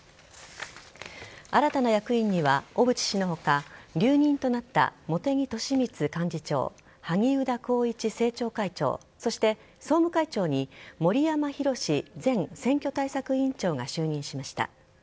新たな役員には小渕氏の他留任となった茂木敏充幹事長萩生田光一政調会長そして総務会長に森山裕前選挙対策委員長が就任しました。